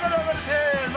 せの！